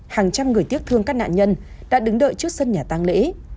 hàng trăm người tiếc thương các nạn nhân đã đứng đợi trước sân nhà tăng lễ